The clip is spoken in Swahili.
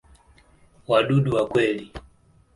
Wadudu wa kweli.